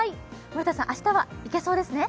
森田さん、明日はいけそうですね？